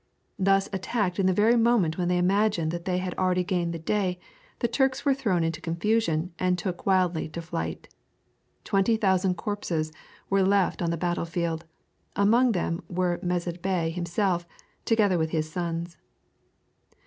Thus attacked in the very moment when they imagined that they had already gained the day, the Turks were thrown into confusion and took wildly to flight. Twenty thousand corpses were left on the battle field; among them were Mezid Bey himself, together with his sons.